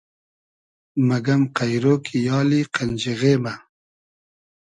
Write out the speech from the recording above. مئگئم قݷرۉ کی یالی قئنجیغې مۂ